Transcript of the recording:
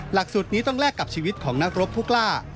หลักสูตรนี้ต้องแลกกับชีวิตของนักรบผู้กล้า